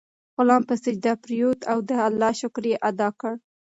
غلام په سجده پریووت او د الله شکر یې ادا کړ.